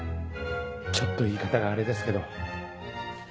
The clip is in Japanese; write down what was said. ちょっと言い方がアレですけど。